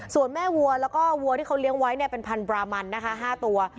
ส่วนแม่วัวแล้วก็วัวที่เขาเลี้ยงไว้เป็นพันธรามันนะคะ๕ตัว